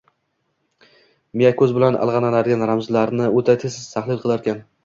miya ko‘z bilan ilg‘anadigan ramzlarni o‘ta tez tahlil qilar ekan.